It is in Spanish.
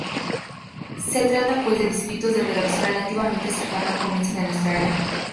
Se trata, pues, de escritos de redacción relativamente cercana al comienzo de nuestra era.